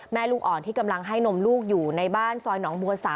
ลูกอ่อนที่กำลังให้นมลูกอยู่ในบ้านซอยหนองบัว๓